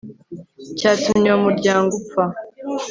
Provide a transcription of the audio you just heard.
cyatumye uwo muryango upfa